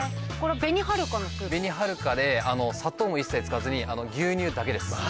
紅はるかで砂糖も一切使わずに牛乳だけです。